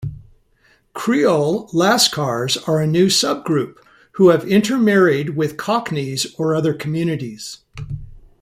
Creole Lascars are a new subgroup, who have intermarried with Cocknies or other communities.